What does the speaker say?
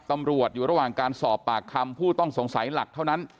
ตำรวจอยู่ระหว่างการสอบปากคำผู้ต้องสงสัยหลักเท่านั้น